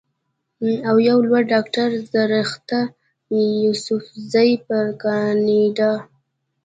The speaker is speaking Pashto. او يوه لورډاکټره زرلښته يوسفزۍ پۀ کنېډا